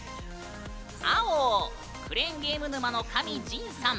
青、クレーンゲーム沼の神ＪＩＮさん。